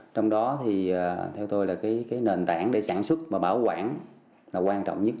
trong đó thì theo tôi là cái nền tảng để sản xuất và bảo quản là quan trọng nhất